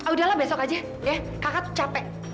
udahlah besok aja ya kakak tuh capek